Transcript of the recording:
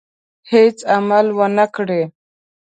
هېڅ عمل ونه کړي.